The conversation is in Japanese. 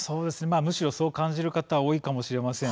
むしろ、そう感じる方は多いかもしれません。